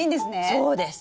そうです。